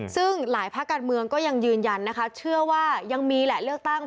ซึ่งหลายภาคการเมืองก็ยังยืนยันนะคะเชื่อว่ายังมีแหละเลือกตั้ง